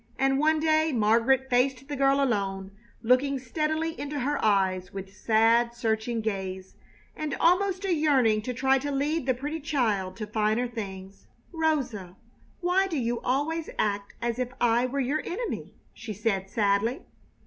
And one day Margaret faced the girl alone, looking steadily into her eyes with sad, searching gaze, and almost a yearning to try to lead the pretty child to finer things. "Rosa, why do you always act as if I were your enemy?" she said, sadly.